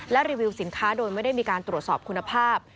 และรีวิวสินค้าโดยไม่ได้มีการตรวจสอบคุณภาพ